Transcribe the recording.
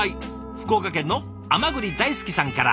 福岡県の甘栗大好きさんから。